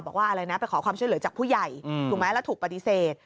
อะไรนะไปขอความช่วยเหลือจากผู้ใหญ่ถูกไหมแล้วถูกปฏิเสธ